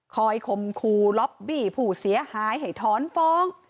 คมครูล็อบบี้ผู้เสียหายให้ถอนฟ้อง